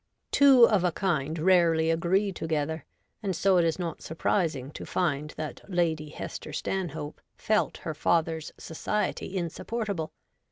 Two of a kind rarely agree together, and so it is not surprising to find that Lady Hester Stanhope felt her father's society insupportable.